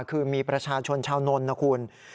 คือมีประชาชนชาวนนท์นะคุณ